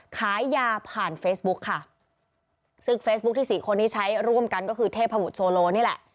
ขายยาผ่านเฟซบุ๊กค่ะซึ่งเฟซบุ๊คที่สี่คนนี้ใช้ร่วมกันก็คือเทพมุทรโซโลนี่แหละ